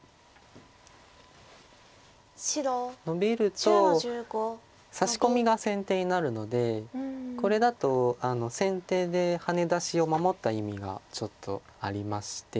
ノビるとサシコミが先手になるのでこれだと先手でハネ出しを守った意味がちょっとありまして。